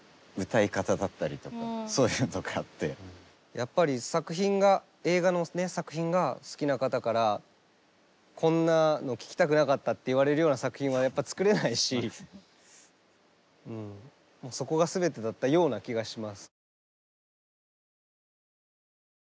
やっぱり作品が映画の作品が好きな方からこんなの聴きたくなかったって言われるような作品はやっぱ作れないしそこが全てだったような気がします。